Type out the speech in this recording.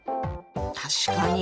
確かに。